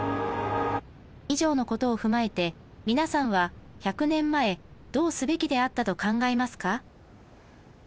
以上のことを踏まえて皆さんは１００年前どうすべきであったと考えますか？